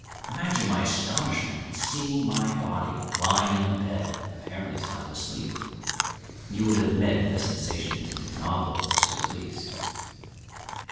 Imagine my astonishment at seeing my body lying in the bed apparently sound asleep; you will admit the sensation was novel, to say the least.